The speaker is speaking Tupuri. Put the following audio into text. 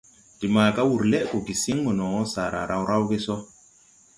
De maaga wur lɛʼ gɔ gesiŋ mono, saara raw rawge sɔ.